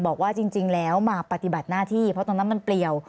บอกว่าจริงแล้วมาปฏิบัติหน้าที่เพราะตรงนั้นมันเปลี่ยว